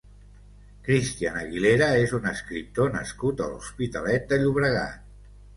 Christian Aguilera és un escriptor nascut a l'Hospitalet de Llobregat.